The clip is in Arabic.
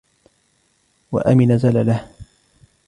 وَأَمِنَ زَلَلَهُ